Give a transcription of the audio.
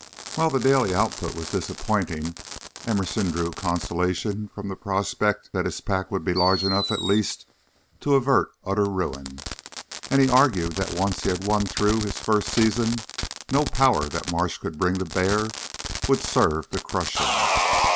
While the daily output was disappointing, Emerson drew consolation from the prospect that his pack would be large enough at least to avert utter ruin, and he argued that once he had won through this first season no power that Marsh could bring to bear would serve to crush him.